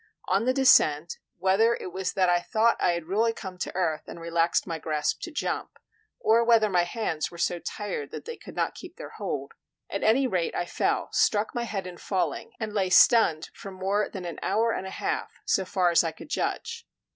On the descent, whether it was that I thought I had really come to earth and relaxed my grasp to jump, or whether my hands were so tired that they could not keep their hold, at any rate I fell, struck my head in falling, and lay stunned for more than an hour and a half, so far as I could judge.